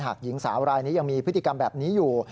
หญิงสาวรายนี้ยังมีพฤติกรรมแบบนี้อยู่